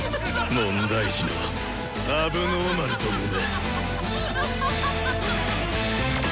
問題児のアブノーマルどもめ！